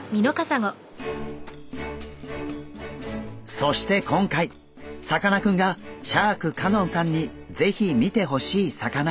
そして今回さかなクンがシャーク香音さんに是非見てほしい魚が。